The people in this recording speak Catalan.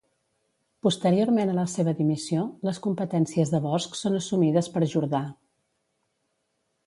Posteriorment a la seva dimissió, les competències de Bosch són assumides per Jordà.